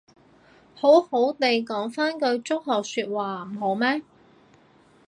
好好哋講返句祝賀說話唔好咩